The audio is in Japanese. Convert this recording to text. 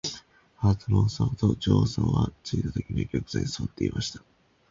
ハートの王さまと女王さまは、ついたときには玉座にすわっていました。